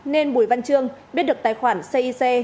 nên bùi văn trương biết được tài khoản cic